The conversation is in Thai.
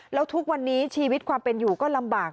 แล้วทุกวันนี้ชีวิตความเป็นอยู่ก็ลำบาก